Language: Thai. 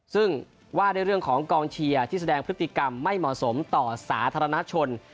ซึ่งว่าด้วยเรื่องของกองเชียร์ที่แสดงพฤติกรรมไม่เหมาะสมต่อสาธารณชน